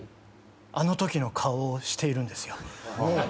あのときの顔をしているんですよ。